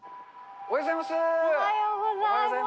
おはようございます。